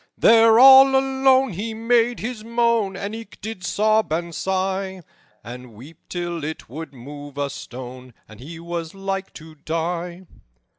"There all alone he made his moan, And eke did sob and sigh, And weep till it would move a stone, And he was like to die.